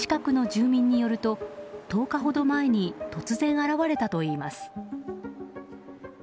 近くの住民によると１０日ほど前に突然、現れたといいます。